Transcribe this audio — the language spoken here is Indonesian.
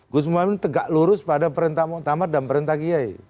gus muhaymin tegak lurus pada perintah muktamar dan perintah kiai